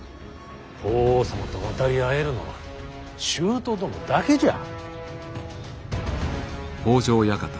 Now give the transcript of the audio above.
法皇様と渡り合えるのは舅殿だけじゃ。